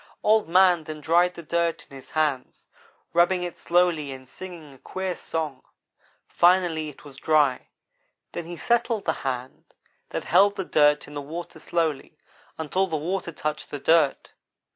"Old man then dried the dirt in his hands, rubbing it slowly and singing a queer song. Finally it was dry; then he settled the hand that held the dirt in the water slowly, until the water touched the dirt.